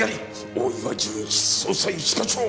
大岩純一捜査一課長。